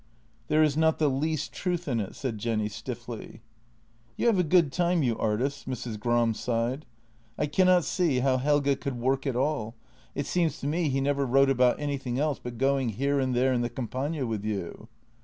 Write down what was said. " There is not the least truth in it," said Jenny stiffly. " You have a good time, you artists." Mrs, Gram sighed. " I cannot see how Helge could work at all — it seems to me JENNY 131 he never wrote about anything else but going here and there in the Campagna with you."